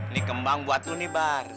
ini kembang buat lu nih bar